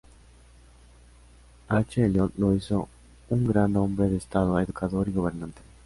H. Elliot lo hizo un gran hombre de estado, educador y gobernante.